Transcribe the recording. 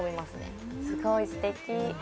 すごい、すてきー。